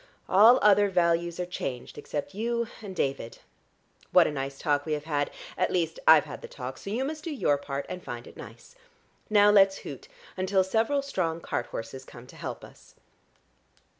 All other values are changed, except you and David. What a nice talk we have had, at least I've had the talk, so you must do your part and find it nice. Now let's hoot, until several strong cart horses come to help us."